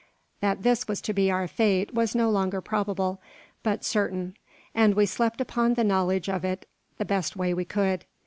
That this was to be our fate was no longer probable, but certain; and we slept upon the knowledge of it the best way we could.